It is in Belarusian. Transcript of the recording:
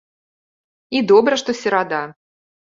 І добра, што серада.